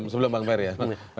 sebelum bang merry ya